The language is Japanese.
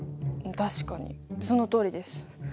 確かにそのとおりです。